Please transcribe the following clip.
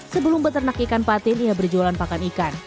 sebelum beternak ikan patin ia berjualan pakan ikan